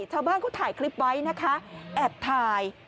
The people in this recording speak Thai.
ชาวบ้านเขาถ่ายคลิปไว้นะคะแอบถ่าย